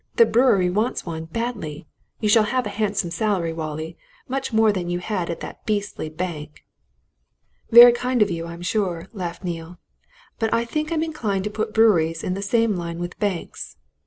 The brewery wants one, badly. You shall have a handsome salary, Wallie much more than you had at that beastly bank!" "Very kind of you, I'm sure," laughed Neale. "But I think I'm inclined to put breweries in the same line with banks.